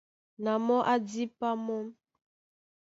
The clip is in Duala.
Na mɔ́ á dípá mɔ́.